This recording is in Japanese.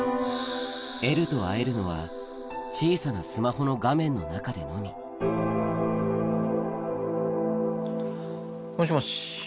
エルと会えるのは小さなスマホの画面の中でのみもしもし。